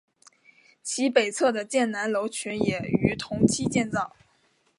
其北侧的建南楼群也于同期建造。